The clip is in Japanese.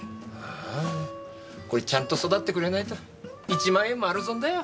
あーあこれちゃんと育ってくれないと１万円丸損だよ。